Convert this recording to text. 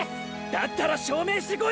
だったら証明してこい！